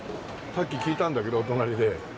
さっき聞いたんだけど隣で。